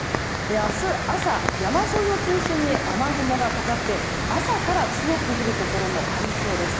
明日朝、山沿いを中心に雨雲がかかって朝から強く降るところもありそうです。